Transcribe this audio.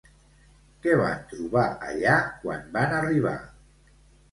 Què van trobar allà quan van arribar?